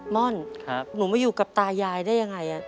ม่อนหนูมาอยู่กับตายายได้ยังไง